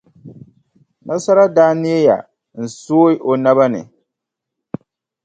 Nasara daa neeya n-sooi o naba ni.